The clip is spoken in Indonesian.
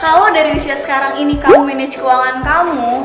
kalau dari usia sekarang ini kamu manage keuangan kamu